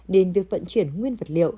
đến việc vận chuyển nguyên vật liệu